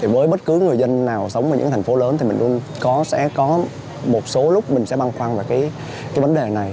với bất cứ người dân nào sống ở những thành phố lớn thì mình sẽ có một số lúc mình sẽ băn khoăn về cái vấn đề này